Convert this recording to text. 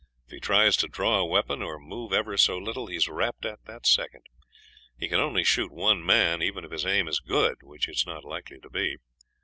If he tries to draw a weapon, or move ever so little, he's rapped at that second. He can only shoot one man, even if his aim is good, which it's not likely to be.